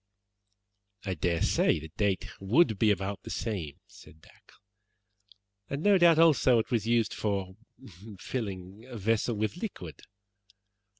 "I dare say the date would be about the same," said Dacre, "and, no doubt, also, it was used for filling a vessel with liquid.